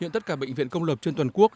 hiện tất cả bệnh viện công lập trên toàn quốc